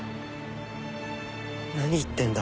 何言ってんだ？